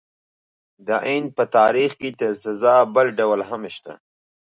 د هند په تاریخ کې د سزا بل ډول هم شته.